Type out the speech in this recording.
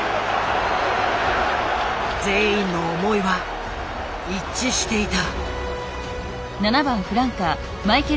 全員の思いは一致していた。